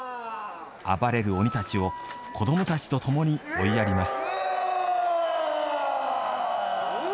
暴れる鬼たちを子どもたちとともに追いやります。